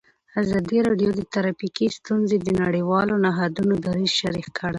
ازادي راډیو د ټرافیکي ستونزې د نړیوالو نهادونو دریځ شریک کړی.